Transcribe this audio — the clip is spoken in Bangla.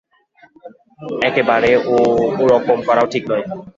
একেবারে ও-রকম করাও ঠিক নয়।